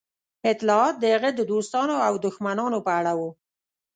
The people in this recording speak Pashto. اطلاعات د هغه د دوستانو او دښمنانو په اړه وو